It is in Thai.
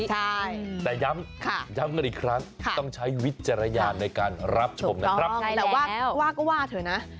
ใช่แต่ย้ำกันอีกครั้งต้องใช้วิจารณญาณในการรับชมนะครับใช่แต่ว่าว่าก็ว่าเถอะนะ